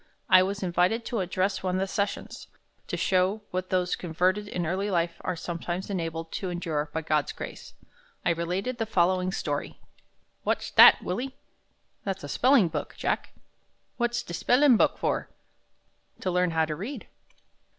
I was invited to address one of the sessions. To show what those converted in early life are sometimes enabled to endure by God's grace, I related the following story: "What's dat, Willie?" "That's a spelling book, Jack." "What's de spellin' book for?" "To learn how to read."